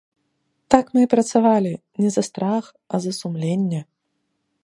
Так мы і працавалі, не за страх, а за сумленне.